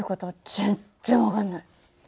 全然分かんない。